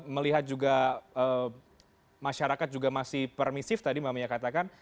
melihat juga masyarakat juga masih permisif tadi mbak mia katakan